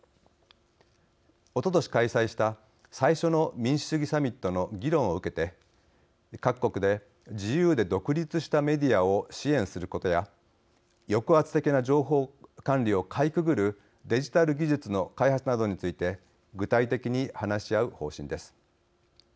おととし開催した最初の民主主義サミットの議論を受けて各国で自由で独立したメディアを支援することや抑圧的な情報管理をかいくぐるデジタル技術の開発などについて具体的に話し合う方針です。